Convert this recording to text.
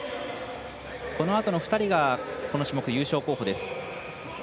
このあとの２人がこの種目優勝候補です。